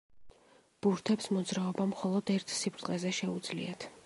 ბურთებს მოძრაობა მხოლოდ ერთ სიბრტყეზე შეუძლიათ.